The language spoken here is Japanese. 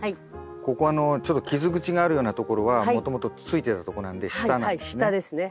ここのちょっと傷口があるようなところはもともとついてたとこなんで下なんですね。